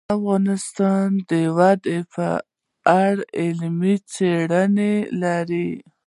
افغانستان د وادي په اړه علمي څېړنې لري.